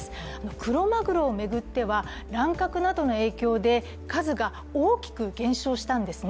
クロマグロを巡っては乱獲などの影響で数が大きく減少したんですね。